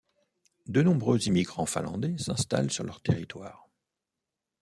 De nombreux immigrants finlandais s'installent sur leur territoire.